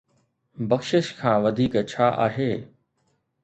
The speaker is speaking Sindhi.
بخشش کان وڌيڪ ڇا آهي؟